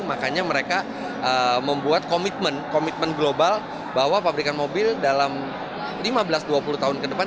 makanya mereka membuat komitmen komitmen global bahwa pabrikan mobil dalam lima belas dua puluh tahun ke depan